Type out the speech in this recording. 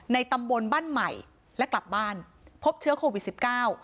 ตำบลบ้านใหม่และกลับบ้านพบเชื้อโควิดสิบเก้า